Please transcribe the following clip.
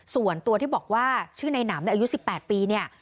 ส่วนตัวที่บอกว่าชื่อในหนำในอายุ๑๘ปีเนี่ย